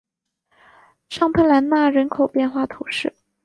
尚特兰讷人口变化图示